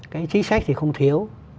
cái chính sách thì không thiếu